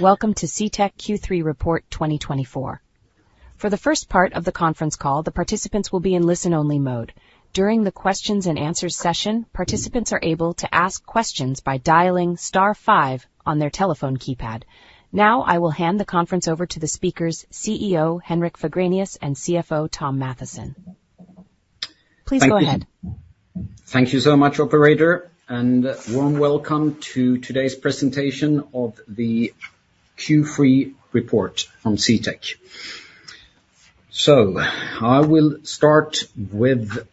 Welcome to CTEK Q3 Report 2024. For the first part of the conference call, the participants will be in listen-only mode. During the Q&A session, participants are able to ask questions by dialing star five on their telephone keypad. Now, I will hand the conference over to the speakers, CEO Henrik Fagrenius and CFO Thom Mathisen. Please go ahead. Thank you so much, Operator, and a warm welcome to today's presentation of the Q3 Report from CTEK. So, I will start with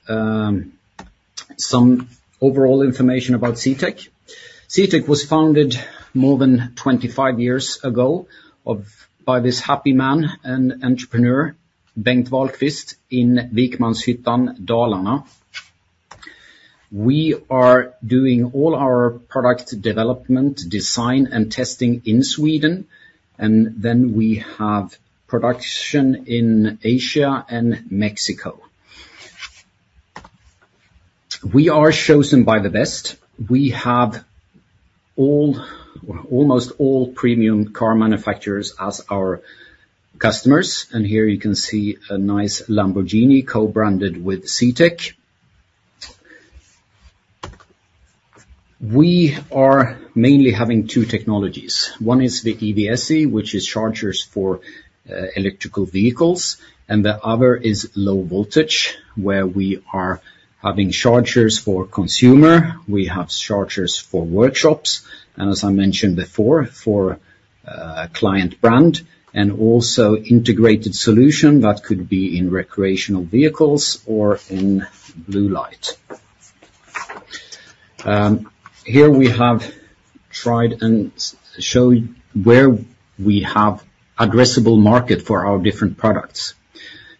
some overall information about CTEK. CTEK was founded more than 25 years ago by this happy man and entrepreneur, Bengt Wahlqvist, in Vikmanshyttan, Dalarna. We are doing all our product development, design, and testing in Sweden, and then we have production in Asia and Mexico. We are chosen by the best. We have almost all premium car manufacturers as our customers, and here you can see a nice Lamborghini co-branded with CTEK. We are mainly having two technologies. One is the EVSE, which is chargers for electric vehicles, and the other is Low Voltage, where we are having chargers for consumers. We have chargers for workshops, and as I mentioned before, for Client Brand, and also integrated solutions that could be in recreational vehicles or in blue light. Here we have tried and shown where we have an addressable market for our different products.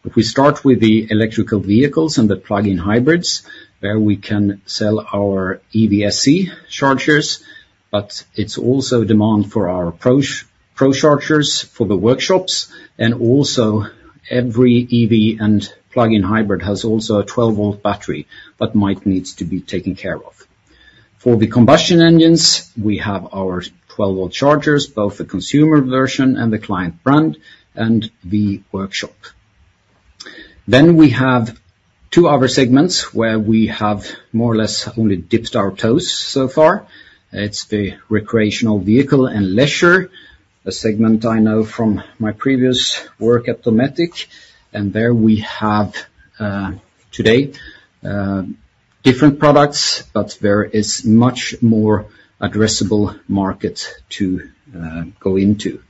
If we start with the electric vehicles and the plug-in hybrids, where we can sell our EVSE chargers, but it's also demand for our pro chargers for the workshops, and also every EV and plug-in hybrid has also a 12-volt battery that might need to be taken care of. For the combustion engines, we have our 12-volt chargers, both the consumer version and the Client Brand, and the workshop. Then we have two other segments where we have more or less only dipped our toes so far. It's the recreational vehicle and leisure, a segment I know from my previous work at Dometic, and there we have today different products, but there is much more addressable market to go into,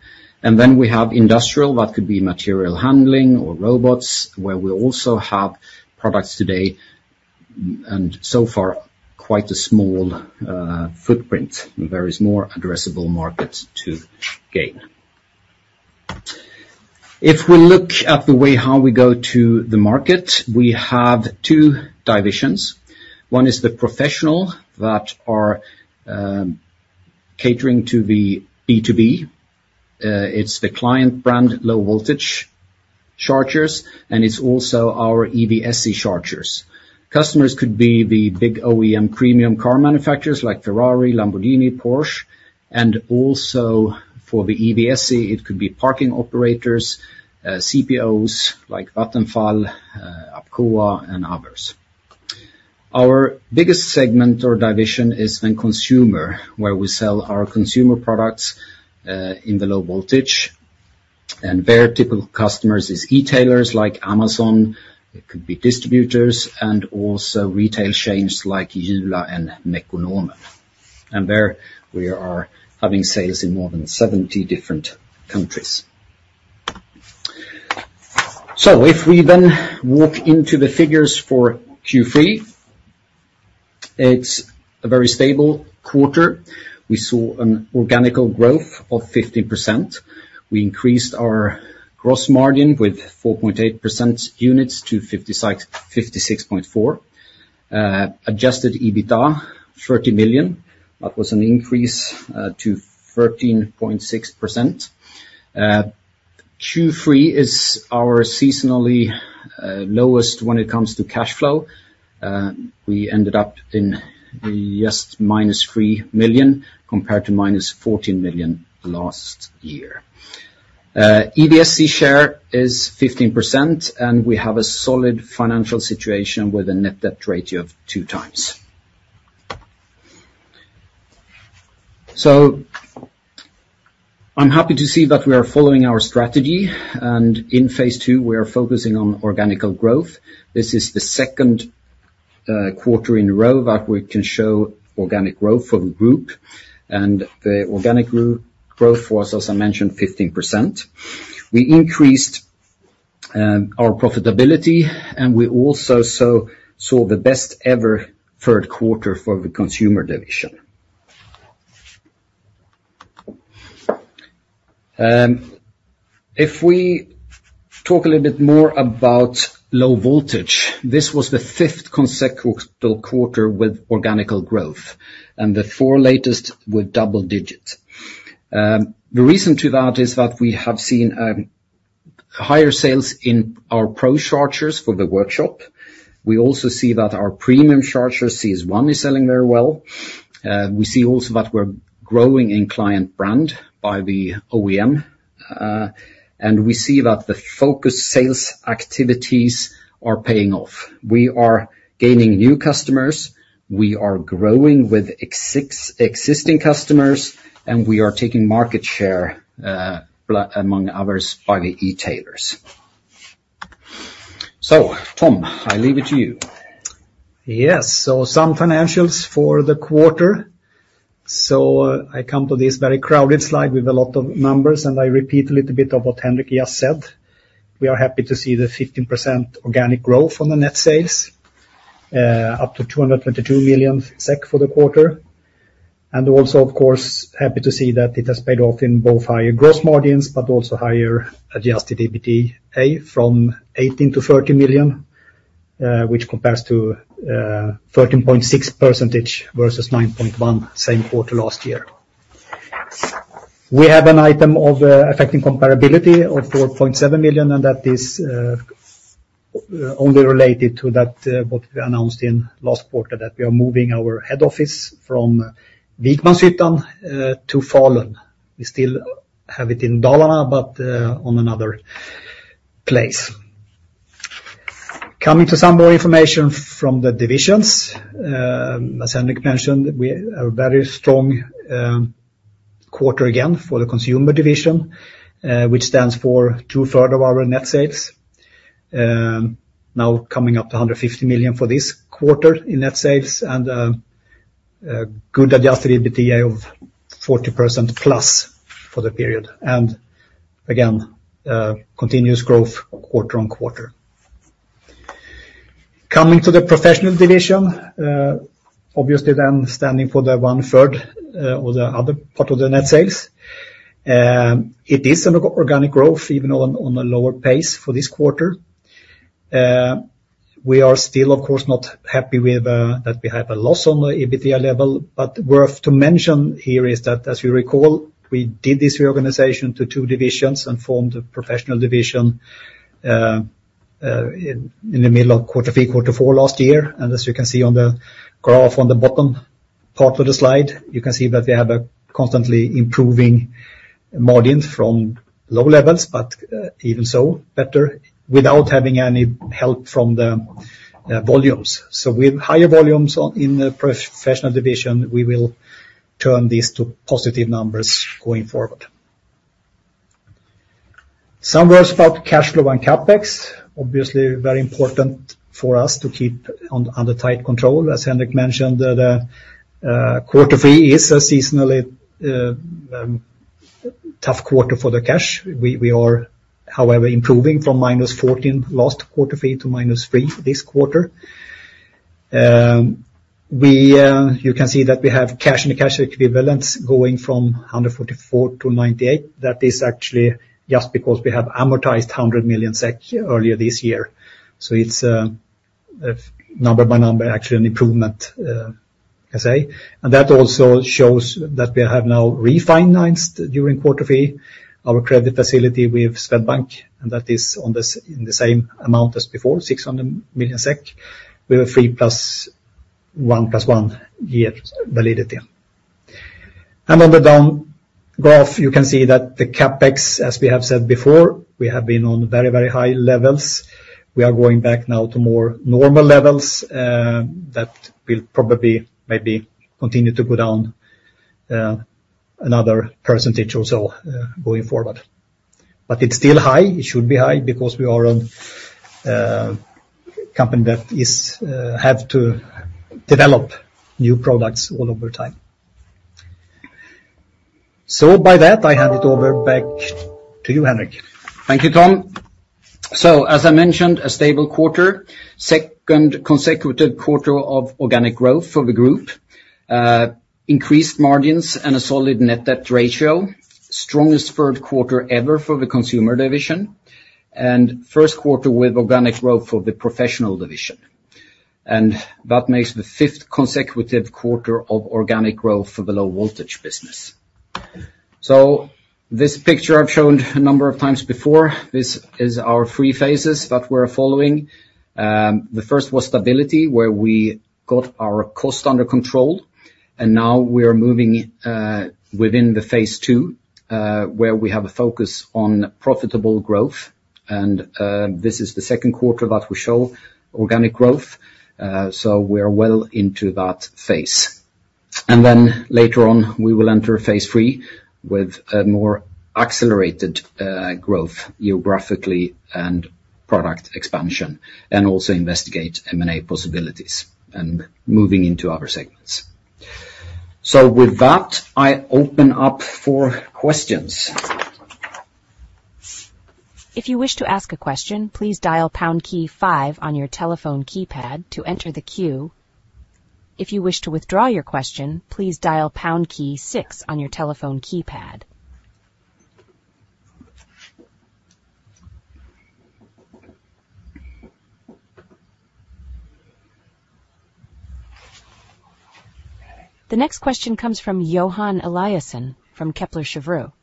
and then we have industrial, that could be material handling or robots, where we also have products today, and so far quite a small footprint. There is more addressable market to gain. If we look at the way how we go to the market, we have two divisions. One is the Professional that are catering to the B2B. It's the Client Brand Low Voltage chargers, and it's also our EVSE chargers. Customers could be the big OEM premium car manufacturers like Ferrari, Lamborghini, Porsche, and also for the EVSE, it could be parking operators, CPOs like Vattenfall, APCOA, and others. Our biggest segment or division is the Consumer, where we sell our consumer products in the Low Voltage, and their typical customers are retailers like Amazon, it could be distributors, and also retail chains like Jula and Mekonomen. There we are having sales in more than 70 different countries. If we then walk into the figures for Q3, it is a very stable quarter. We saw an organic growth of 15%. We increased our gross margin with 4.8% units to 56.4%. Adjusted EBITDA, 30 million, that was an increase to 13.6%. Q3 is our seasonally lowest when it comes to cash flow. We ended up in just minus 3 million compared to minus 14 million last year. EVSE share is 15%, and we have a solid financial situation with a net debt ratio of two times. I'm happy to see that we are following our strategy, and in phase II, we are focusing on organic growth. This is the second quarter in a row that we can show organic growth for the group, and the organic growth was, as I mentioned, 15%. We increased our profitability, and we also saw the best ever third quarter for the Consumer division. If we talk a little bit more about Low Voltage, this was the fifth consecutive quarter with organic growth, and the four latest were double-digit. The reason for that is that we have seen higher sales in our pro chargers for the workshop. We also see that our premium chargers, CS ONE, are selling very well. We see also that we're growing in Client Brand by the OEM, and we see that the focus sales activities are paying off. We are gaining new customers, we are growing with existing customers, and we are taking market share, among others, by the retailers. So, Thom, I leave it to you. Yes, so some financials for the quarter. So I come to this very crowded slide with a lot of numbers, and I repeat a little bit of what Henrik just said. We are happy to see the 15% organic growth on the net sales, up to 222 million SEK for the quarter, and also, of course, happy to see that it has paid off in both higher gross margins, but also higher adjusted EBITDA from 18 million to 30 million, which compares to 13.6% versus 9.1% same quarter last year. We have an item of affecting comparability of 4.7 million, and that is only related to what we announced in last quarter, that we are moving our head office from Vikmanshyttan to Falun. We still have it in Dalarna, but on another place. Coming to some more information from the divisions, as Henrik mentioned, we have a very strong quarter again for the Consumer division, which stands for 2/3 of our net sales, now coming up to 150 million for this quarter in net sales, and a good adjusted EBITDA of 40%+ for the period, and again, continuous growth quarter-on-quarter. Coming to the Professional division, obviously then standing for the 1/3 or the other part of the net sales, it is an organic growth, even though on a lower pace for this quarter. We are still, of course, not happy that we have a loss on the EBITDA level, but worth to mention here is that, as you recall, we did this reorganization to two divisions and formed the Professional division in the middle of quarter three, quarter four last year, and as you can see on the graph on the bottom part of the slide, you can see that we have a constantly improving margin from low levels, but even so better, without having any help from the volumes. So with higher volumes in the Professional division, we will turn this to positive numbers going forward. Some words about cash flow and CapEx, obviously very important for us to keep under tight control. As Henrik mentioned, the quarter three is a seasonally tough quarter for the cash. We are, however, improving from minus 14 last quarter three to minus three this quarter. You can see that we have cash and cash equivalents going from 144 to 98. That is actually just because we have amortized 100 million SEK earlier this year. So it's number by number, actually an improvement, I say. And that also shows that we have now refinanced during quarter three our credit facility with Swedbank, and that is in the same amount as before, 600 million SEK, with a three plus one plus one year validity. And on the down graph, you can see that the CapEx, as we have said before, we have been on very, very high levels. We are going back now to more normal levels that will probably maybe continue to go down another percentage or so going forward. But it's still high. It should be high because we are a company that has to develop new products all over time. So by that, I hand it over back to you, Henrik. Thank you, Thom. So, as I mentioned, a stable quarter, second consecutive quarter of organic growth for the group, increased margins and a solid net debt ratio, strongest third quarter ever for the Consumer division, and first quarter with organic growth for the Professional division. And that makes the fifth consecutive quarter of organic growth for the Low Voltage business. So this picture I've shown a number of times before, this is our three phases that we're following. The first was stability, where we got our cost under control, and now we are moving within the phase two, where we have a focus on profitable growth, and this is the second quarter that we show organic growth, so we are well into that phase. Then later on, we will enter phase three with more accelerated growth geographically and product expansion, and also investigate M&A possibilities and moving into other segments. With that, I open up for questions. If you wish to ask a question, please dial pound key five on your telephone keypad to enter the queue. If you wish to withdraw your question, please dial pound key six on your telephone keypad. The next question comes from Johan Eliasson from Kepler Cheuvreux.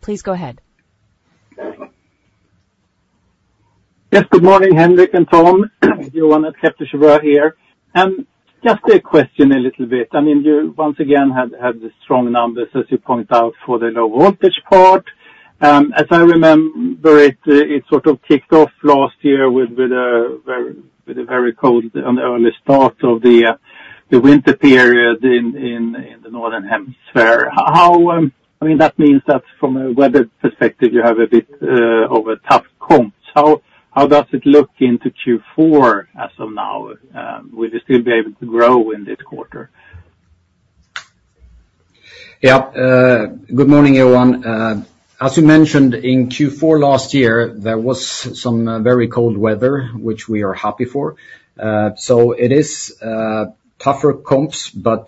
Please go ahead. Yes, good morning, Henrik and Thom. Johan at Kepler Cheuvreux here. Just a question a little bit. I mean, you once again had the strong numbers, as you point out, for the Low Voltage part. As I remember it, it sort of kicked off last year with a very cold and early start of the winter period in the northern hemisphere. I mean, that means that from a weather perspective, you have a bit of a tough coat. How does it look into Q4 as of now? Will you still be able to grow in this quarter? Yeah, good morning, Johan. As you mentioned, in Q4 last year, there was some very cold weather, which we are happy for, so it is tougher comps, but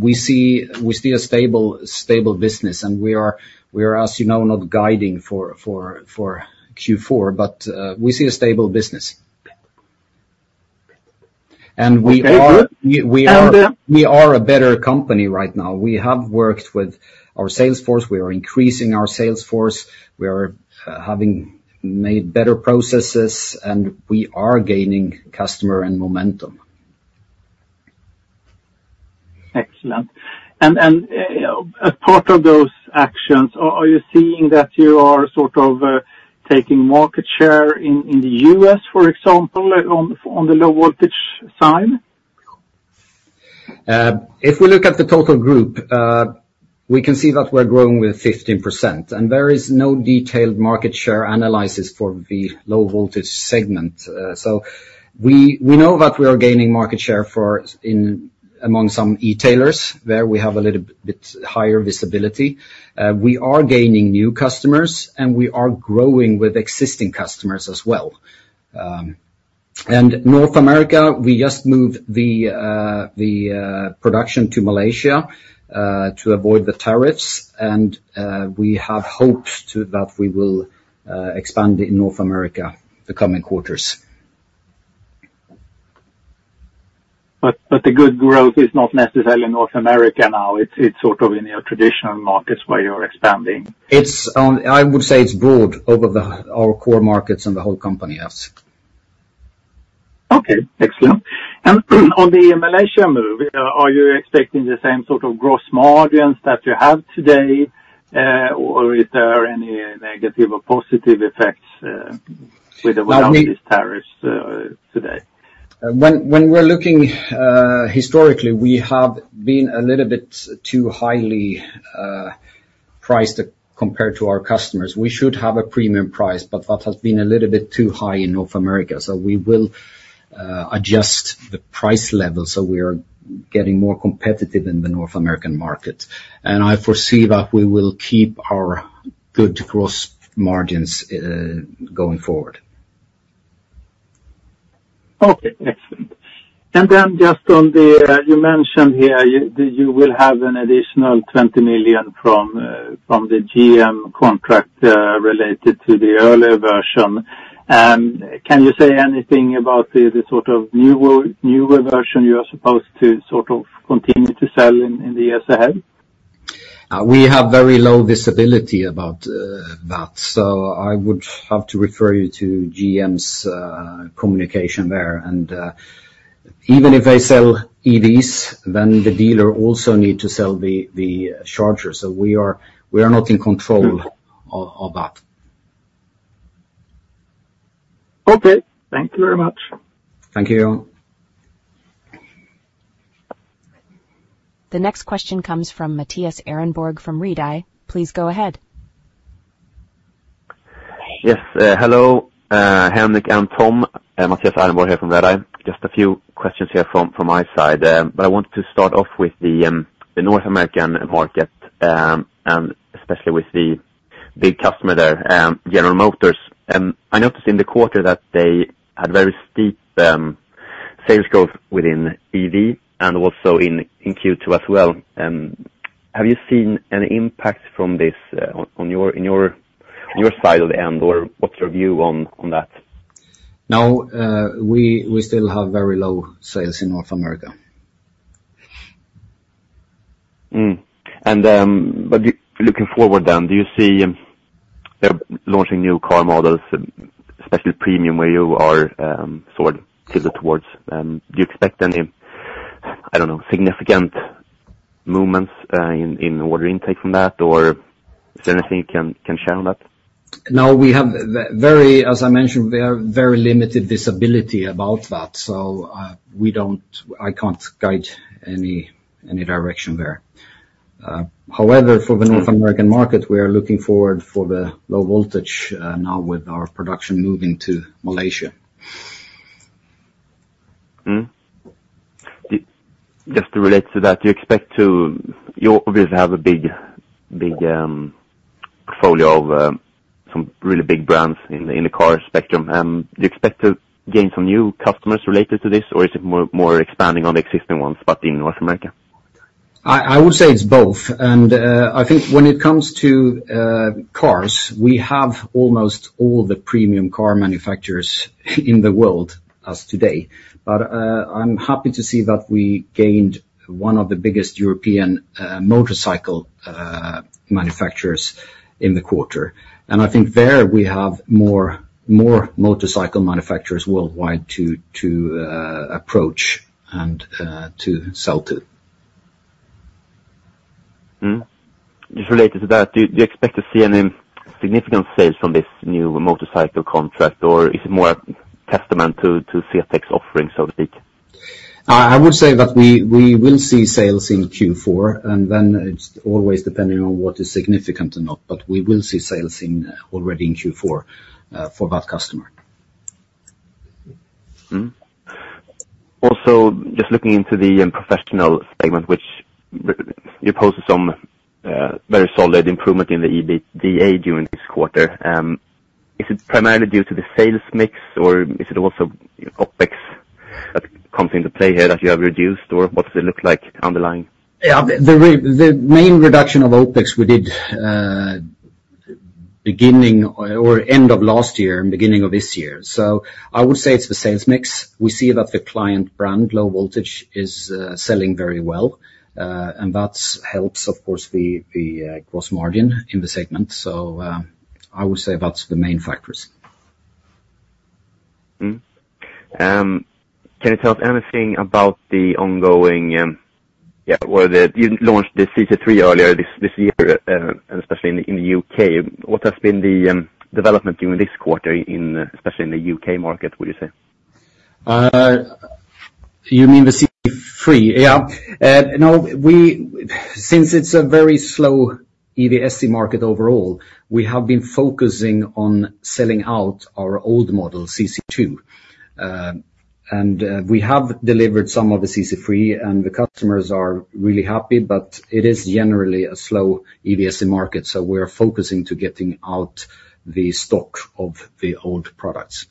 we see a stable business, and we are, as you know, not guiding for Q4, but we see a stable business, and we are a better company right now. We have worked with our sales force. We are increasing our sales force. We are having made better processes, and we are gaining customer and momentum. Excellent. And as part of those actions, are you seeing that you are sort of taking market share in the U.S., for example, on the Low Voltage side? If we look at the total group, we can see that we're growing with 15%, and there is no detailed market share analysis for the Low Voltage segment. So we know that we are gaining market share among some retailers, where we have a little bit higher visibility. We are gaining new customers, and we are growing with existing customers as well, and North America, we just moved the production to Malaysia to avoid the tariffs, and we have hopes that we will expand in North America the coming quarters. But the good growth is not necessarily North America now. It's sort of in your traditional markets where you're expanding. I would say it's broad over our core markets and the whole company. Okay, excellent, and on the Malaysia move, are you expecting the same sort of gross margins that you have today, or is there any negative or positive effects without these tariffs today? When we're looking historically, we have been a little bit too highly priced compared to our customers. We should have a premium price, but that has been a little bit too high in North America, so we will adjust the price level so we are getting more competitive in the North American market, and I foresee that we will keep our good gross margins going forward. Okay, excellent. And then just on the, you mentioned here that you will have an additional 20 million from the GM contract related to the earlier version. Can you say anything about the sort of newer version you are supposed to sort of continue to sell in the years ahead? We have very low visibility about that, so I would have to refer you to GM's communication there. And even if they sell EVs, then the dealer also needs to sell the chargers. So we are not in control of that. Okay, thank you very much. Thank you. The next question comes from Mattias Ehrenborg from Redeye. Please go ahead. Yes, hello, Henrik and Thom. Mattias Ehrenborg here from Redeye. Just a few questions here from my side, but I want to start off with the North American market, and especially with the big customer there, General Motors. I noticed in the quarter that they had very steep sales growth within EV and also in Q2 as well. Have you seen any impact from this from your end, or what's your view on that? No, we still have very low sales in North America. Looking forward then, do you see launching new car models, especially premium, where you are sort of tilted towards? Do you expect any, I don't know, significant movements in order intake from that, or is there anything you can share on that? No, we have, as I mentioned, we have very limited visibility about that, so I can't guide any direction there. However, for the North American market, we are looking forward for the Low Voltage now with our production moving to Malaysia. Just to relate to that, you expect to, you obviously have a big portfolio of some really big brands in the car spectrum. Do you expect to gain some new customers related to this, or is it more expanding on the existing ones but in North America? I would say it's both. And I think when it comes to cars, we have almost all the premium car manufacturers in the world as today. But I'm happy to see that we gained one of the biggest European motorcycle manufacturers in the quarter. And I think there we have more motorcycle manufacturers worldwide to approach and to sell to. Just related to that, do you expect to see any significant sales from this new motorcycle contract, or is it more a testament to CTEK's offering, so to speak? I would say that we will see sales in Q4, and then it's always depending on what is significant or not, but we will see sales already in Q4 for that customer. Also, just looking into the professional segment, which you posted some very solid improvement in the EBITDA during this quarter. Is it primarily due to the sales mix, or is it also OpEx that comes into play here that you have reduced, or what does it look like underlying? Yeah, the main reduction of OpEx we did beginning or end of last year and beginning of this year. So I would say it's the sales mix. We see that the client brand, Low Voltage, is selling very well, and that helps, of course, the gross margin in the segment. So I would say that's the main factors. Can you tell us anything about the ongoing, yeah, you launched the CC3 earlier this year, and especially in the U.K.? What has been the development during this quarter, especially in the U.K. market, would you say? You mean the CC3? Yeah. No, since it's a very slow EVSE market overall, we have been focusing on selling out our old model, CC2, and we have delivered some of the CC3, and the customers are really happy, but it is generally a slow EVSE market, so we are focusing on getting out the stock of the old products.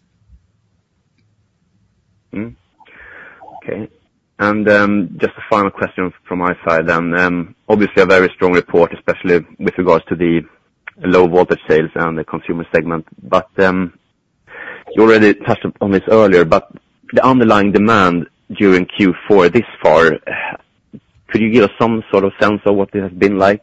Okay. And just a final question from my side then. Obviously, a very strong report, especially with regards to the Low Voltage sales and the Consumer segment. But you already touched on this earlier, but the underlying demand during Q4 this far, could you give us some sort of sense of what it has been like?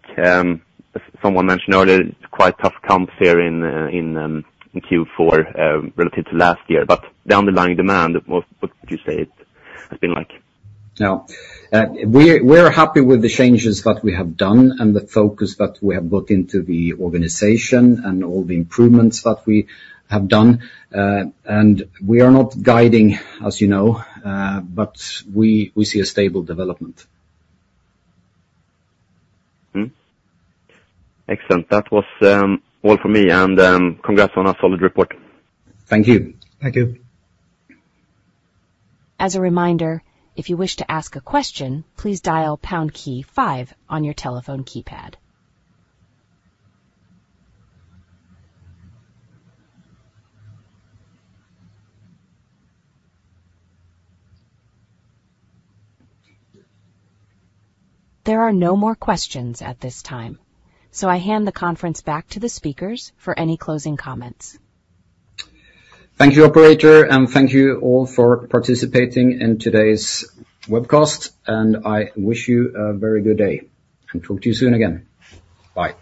Someone mentioned earlier, quite tough comps here in Q4 relative to last year, but the underlying demand, what would you say it has been like? Yeah. We are happy with the changes that we have done and the focus that we have put into the organization and all the improvements that we have done. And we are not guiding, as you know, but we see a stable development. Excellent. That was all for me, and congrats on a solid report. Thank you. Thank you. As a reminder, if you wish to ask a question, please dial pound key five on your telephone keypad. There are no more questions at this time, so I hand the conference back to the speakers for any closing comments. Thank you, Operator, and thank you all for participating in today's webcast, and I wish you a very good day and talk to you soon again. Bye.